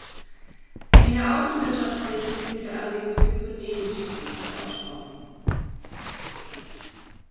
In der Außenwirtschaftspolitik sind wir allerdings bis zur Demütigung enttäuscht worden.